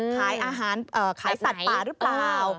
ขายอาหารขายสัตว์ป่าหรือเปล่า